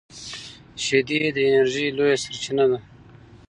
شیدې د انرژۍ لویه سرچینه ده